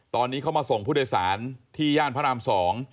ตอนนี้เขามาส่งผู้โดยสารที่ย่านพระราม๒